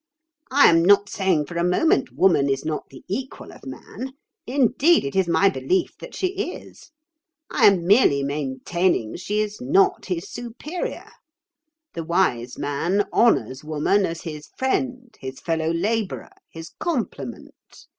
"I am not saying for a moment woman is not the equal of man; indeed, it is my belief that she is. I am merely maintaining she is not his superior. The wise man honours woman as his friend, his fellow labourer, his complement.